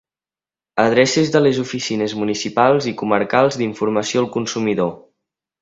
Adreces de les Oficines Municipals i Comarcals d'Informació al Consumidor.